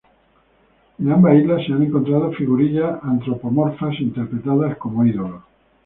En ambas islas se han encontrado figurillas antropomorfas interpretadas como ídolos.